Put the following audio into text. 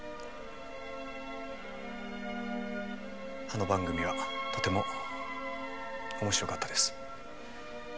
あの番組はとても面白かったです。